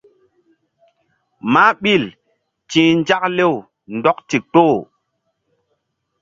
Mah ɓil ti̧h nzak lew ndɔk ndikpoh.